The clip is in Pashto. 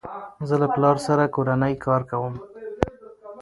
زه له پلار سره کورنی کار کوم.